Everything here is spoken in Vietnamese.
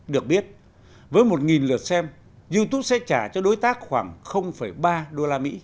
được biết với một lượt xem youtube sẽ trả cho đối tác khoảng ba usd